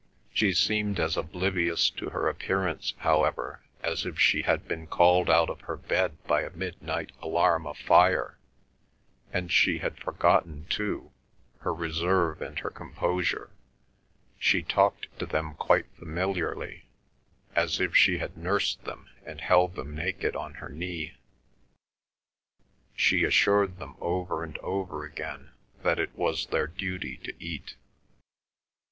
She seemed as oblivious of her appearance, however, as if she had been called out of her bed by a midnight alarm of fire, and she had forgotten, too, her reserve and her composure; she talked to them quite familiarly as if she had nursed them and held them naked on her knee. She assured them over and over again that it was their duty to eat.